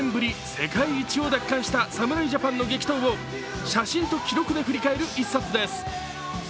世界一を奪還した侍ジャパンの激闘を写真と記録で振り返る１冊です。